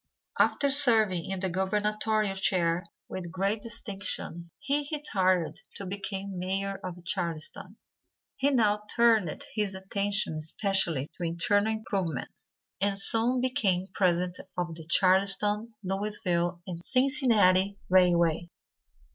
After serving in the gubernatorial chair with great distinction he retired to become Mayor of Charleston. He now turned his attention especially to internal improvements, and soon became president of the Charleston, Louisville & Cincinnati Railway.